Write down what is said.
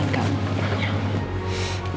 ini dijaga ya